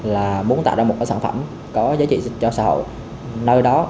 là muốn tạo ra một cái sản phẩm có giá trị cho xã hội nơi đó